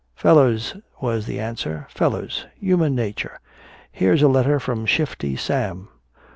"Fellers," was the answer. "Fellers. Human nature. Here's a letter from Shifty Sam."